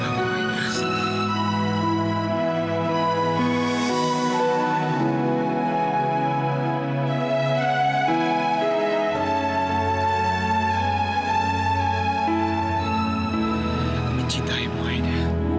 aku mencintai maida